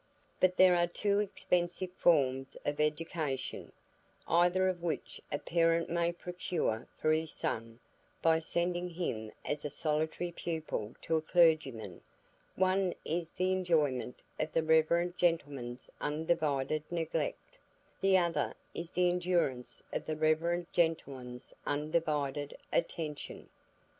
But there are two expensive forms of education, either of which a parent may procure for his son by sending him as solitary pupil to a clergyman: one is the enjoyment of the reverend gentleman's undivided neglect; the other is the endurance of the reverend gentleman's undivided attention.